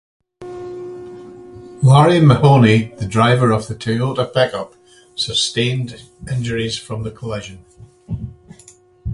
Larry Mahoney, the driver of the Toyota pickup, sustained injuries from the collision.